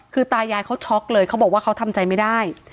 คือตายายเขาช็อกเลยเขาบอกว่าเขาทำใจไม่ได้